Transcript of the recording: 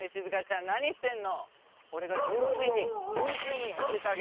俺が純粋に純粋に教えてあげるから。